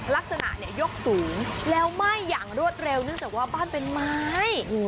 ลักษณะเนี่ยยกสูงแล้วไหม้อย่างรวดเร็วเนื่องจากว่าบ้านเป็นไม้